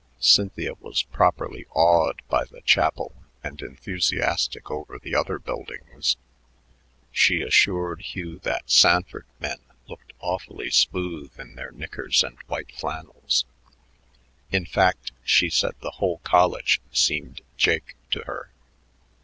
Cynthia was properly awed by the chapel and enthusiastic over the other buildings. She assured Hugh that Sanford men looked awfully smooth in their knickers and white flannels; in fact, she said the whole college seemed jake to her.